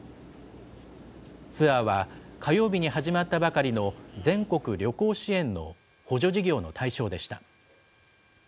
ツアーは、火曜日に始まったばかりの全国旅行支援の補助事業の対象でした。